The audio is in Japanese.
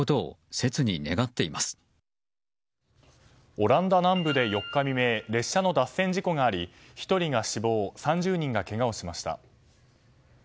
オランダ南部で４日未明列車の脱線事故があり１人が死亡３０人がけがをしました。